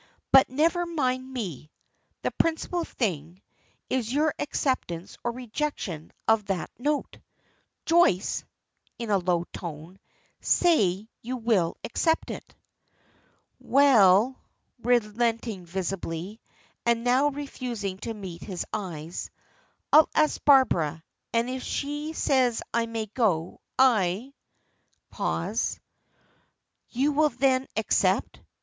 But never mind me; the principal thing is, your acceptance or rejection of that note. Joyce!" in a low tone, "say you will accept it." "Well," relenting visibly, and now refusing to meet his eyes, "I'll ask Barbara, and if she says I may go I " pause. "You will then accept?"